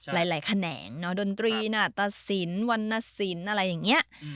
แขนงดนตรีนาตสินวรรณสินอะไรอย่างนี้